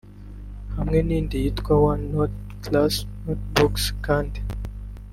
Hamwe n’indi yitwa OneNote Class Notebooks kandi